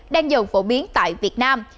đang dần phổ biến tại việt nam